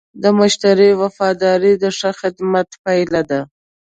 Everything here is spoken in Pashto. د مشتری وفاداري د ښه خدمت پایله ده.